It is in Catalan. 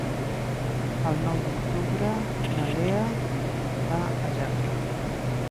El nou d'octubre na Lea va a Jafre.